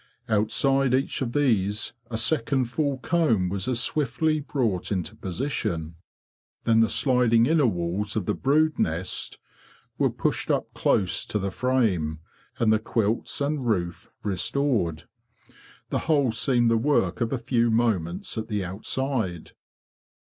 Outside each of these a second full comb was as swiftly brought into position. Then the sliding inner walls of the brood nest were pushed up close to the frame, and the quilts and roof restored. The whole seemed the work of a few moments at the outside.